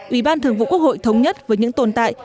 ủy ban thường vụ quốc hội thống nhất với những tồn tại